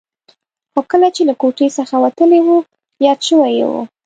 خو کله چې له کوټې څخه وتلی و یاد شوي یې و.